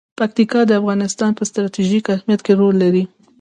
پکتیکا د افغانستان په ستراتیژیک اهمیت کې رول لري.